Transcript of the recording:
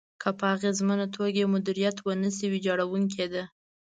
که په اغېزمنه توګه يې مديريت ونشي، ويجاړونکې ده.